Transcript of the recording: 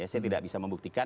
saya tidak bisa membuktikan